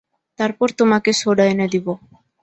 তারপর তোমাকে সোডা এনে দেবো।